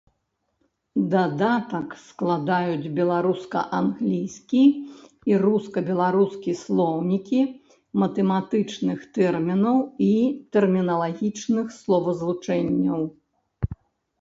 Дадатак складаюць беларуска-англійскі і руска-беларускі слоўнікі матэматычных тэрмінаў і тэрміналагічных словазлучэнняў.